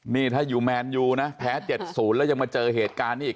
นี่ถ้าอยู่แมนยูนะแพ้๗๐แล้วยังมาเจอเหตุการณ์นี้อีก